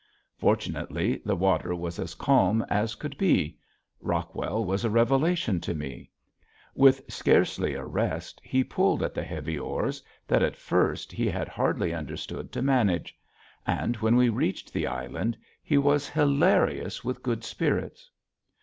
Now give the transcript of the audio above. Fortunately the water was as calm as could be. Rockwell was a revelation to me. With scarcely a rest he pulled at the heavy oars that at first he had hardly understood to manage; and when we reached the island he was hilarious with good spirits.